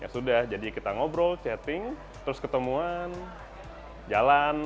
ya sudah jadi kita ngobrol chatting terus ketemuan jalan